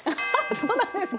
そうなんですか？